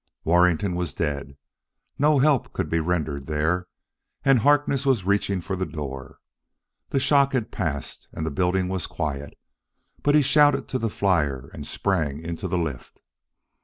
Warrington was dead no help could be rendered there and Harkness was reaching for the door. The shock had passed, and the building was quiet, but he shouted to the flyer and sprang into the lift.